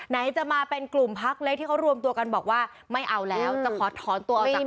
ไหนจะมาเป็นกลุ่มพักเล็กที่เขารวมตัวกันบอกว่าไม่เอาแล้วจะขอถอนตัวออกจากพัก